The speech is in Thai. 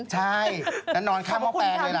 ใช่นั่นนอนข้ามออกแปดเลยแหละ